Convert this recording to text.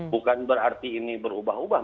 bukan berarti ini berubah ubah